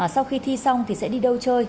sau khi thi xong thì sẽ đi đâu chơi